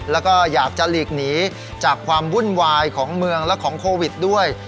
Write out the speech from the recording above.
แล้วก็อยากจะหลีกหนีจากความวุ่นวายของเมืองและของโควิดด้วย